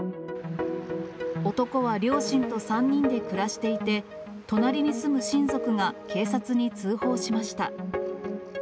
男は両親と３人で暮らしていて、隣に住む親族が警察に通報しました。